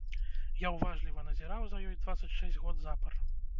Я ўважліва назіраў за ёй дваццаць шэсць год запар.